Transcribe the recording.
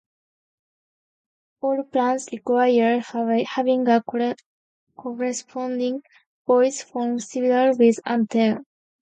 All plans require having a corresponding voice phone service with Antel.